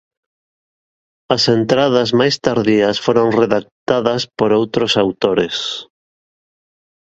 As entradas máis tardías foron redactadas por outros autores.